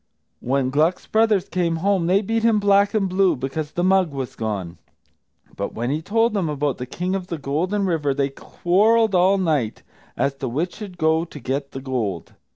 When Gluck's brothers came home, they beat him black and blue, because the mug was gone. But when he told them about the King of the Golden River they quarrelled all night, as to which should go to get the gold.